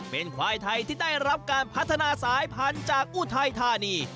เป็นควายไทยที่ได้รับการพัฒนาสายพันธุ์จากอุทัยธานี